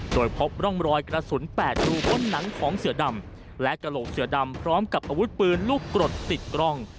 โดยพบร่องรอยกระสุน๘รูพ้นหนังของเสือดำและกระโหลกเสือดำพร้อมกับอาวุธปืนลูกกรดติดกล้อง